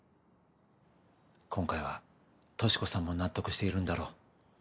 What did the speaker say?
今回は俊子さんも納得しているんだろ？